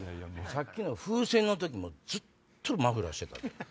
さっきの風船の時もずっとマフラーしてた。